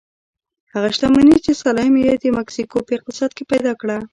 هغه شتمني چې سلایم د مکسیکو په اقتصاد کې پیدا کړه.